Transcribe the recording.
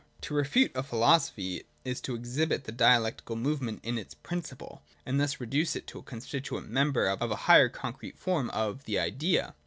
To refute a philosophy is to exhibit I the dialectical movement in its principle, and thus reduce it I to a constituent member of a higher concrete form of the 1 Idea.